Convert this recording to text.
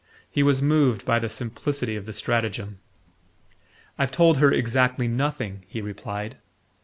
He was moved by the simplicity of the stratagem. "I've told her exactly nothing," he replied.